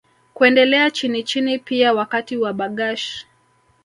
Kuendelea chinichini pia Wakati wa Bargash